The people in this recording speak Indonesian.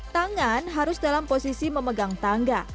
tangan harus dalam posisi yang tidak terlalu tinggi